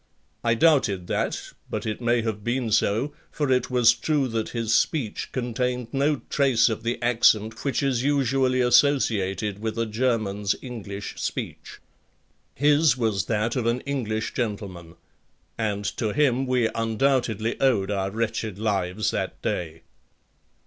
I doubted that but it may have been so, for it was true that his speech contained no trace of the accent which is usually associated with a German's English speech. His was that of an English gentleman. And to him we undoubtedly owed our wretched lives that day.